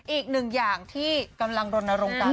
อีกหนึ่งอย่างที่กำลังรณรงค์กัน